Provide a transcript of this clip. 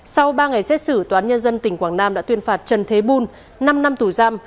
sau ba ngày xét xử tòa án nhân dân tỉnh quảng nam đã tuyên phạt trần thế buôn năm năm tù giam